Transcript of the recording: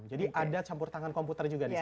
jadi ada campur tangan komputer juga disitu